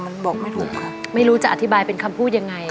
มันบอกไม่ถูกค่ะไม่รู้จะอธิบายเป็นคำพูดยังไง